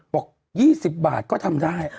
บอก๒๐บาทก็ทำได้